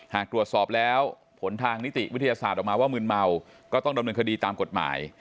หากตรวจสอบแล้วผลทางนิติวิทยาศาสตร์ออกมาว่ามืนเมาก็ต้องดำเนินคดีตามกฎหมาย